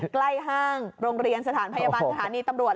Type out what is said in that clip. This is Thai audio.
ห้างโรงเรียนสถานพยาบาลสถานีตำรวจ